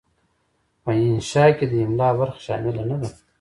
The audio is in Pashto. په انشأ کې د املاء برخه شامله نه ده.